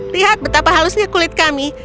lihat betapa halusnya kulit kami